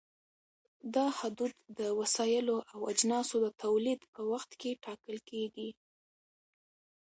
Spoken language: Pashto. دا حدود د وسایلو او اجناسو د تولید په وخت کې ټاکل کېږي.